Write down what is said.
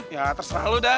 ya terserah lu dah